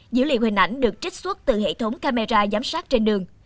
dữ liệu hình ảnh được trích xuất từ hệ thống camera giám sát trên đường